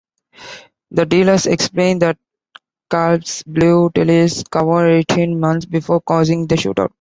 The dealers explain that Calvess blew Tellis' cover eighteen months before, causing the shootout.